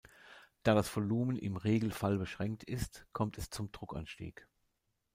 Da das Volumen im Regelfall beschränkt ist, kommt es zum Druckanstieg.